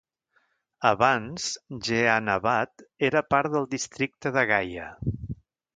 Abans, Jehanabad era part del districte de Gaya.